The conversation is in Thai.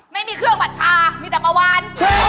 ไม่มีเครื่องผัดชามีแต่ปลาวาน